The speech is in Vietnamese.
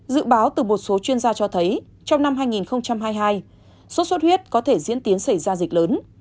dự báo từ một số chuyên gia cho thấy trong năm hai nghìn hai mươi hai sốt xuất huyết có thể diễn tiến xảy ra dịch lớn